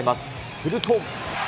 すると。